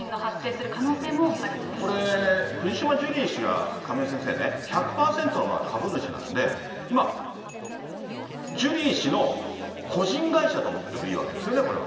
ただ、これ、藤島ジュリー氏が亀井先生ね、１００％のまだ株主なんで、まあ、ジュリー氏の個人会社と思ってもいいわけですよね、これは。